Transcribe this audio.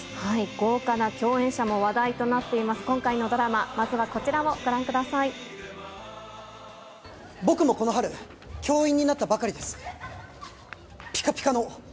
豪華な共演者も話題となっています、今回のドラマ、まずはこ僕もこの春、教員になったばかりです。